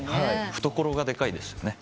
懐がでかいですよね。